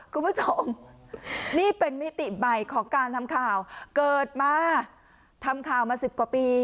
คุณผู้ชมนี่เป็นมิติใหม่ของการทำข่าวเกิดมาทำข่าวมาสิบกว่าปี